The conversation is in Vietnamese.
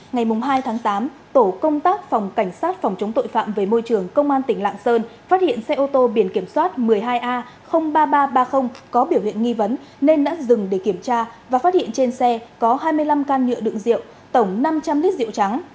ngày hai tháng tám tổ công tác phòng cảnh sát phòng chống tội phạm về môi trường công an tỉnh lạng sơn phát hiện xe ô tô biển kiểm soát một mươi hai a ba nghìn ba trăm ba mươi có biểu hiện nghi vấn nên đã dừng để kiểm tra và phát hiện trên xe có hai mươi năm can nhựa đựng rượu tổng năm trăm linh lít rượu trắng